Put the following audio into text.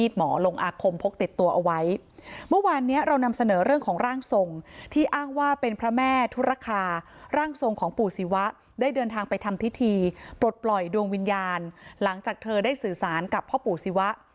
ไปทำพิธีปลดปล่อยดวงวิญญาณหลังจากเธอได้สื่อสารกับพ่อปู่ศิวะ